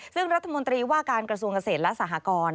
ซึ่งรัฐมนตรีว่าการกระทรวงเกษตรและสหกร